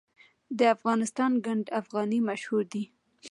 د افغانستان ګنډ افغاني مشهور دی